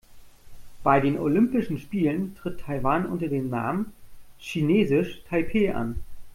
Bei den Olympischen Spielen tritt Taiwan unter dem Namen „Chinesisch Taipeh“ an.